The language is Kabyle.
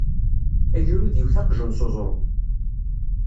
Agrud iwet aqjun s uẓru.